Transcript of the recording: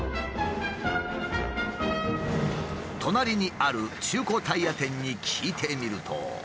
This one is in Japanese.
隣にある中古タイヤ店に聞いてみると。